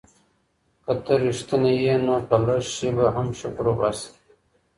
که ته رښتینی یې نو په لږ شي به هم شکر وباسې.